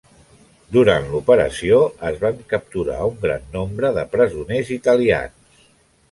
Durant l'operació, es van capturar un gran nombre de presoners italians.